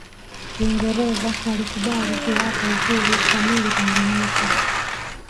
uingereza walikubali kuwapa uhuru kamili tanganyika